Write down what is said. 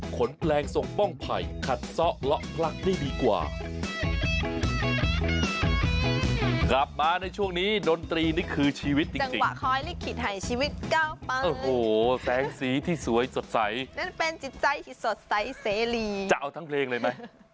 กลับมาในช่วงนี้ดนตรีนี่คือชีวิตจังหวะคอยลิขิตให้ชีวิตเก้าเปิ้ลโอ้โหแสงสีที่สวยสดใสนั่นเป็นจิตใจที่สดใสเสรีจะเอาทั้งเพลงเลยไหม